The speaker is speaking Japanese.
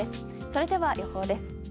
それでは予報です。